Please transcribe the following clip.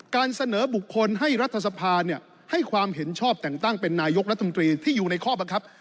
การเสนอบุคคลให้รัฐสภาให้ความเห็นชอบแต่งตั้งเป็นนายกรัฐมนตรีที่อยู่ในข้อบังคับ